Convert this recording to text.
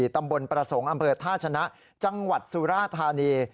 ตำบลประสงค์อำเภอท่าชนะจังหวัดสุราธานี